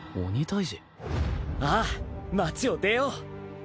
ああ町を出よう！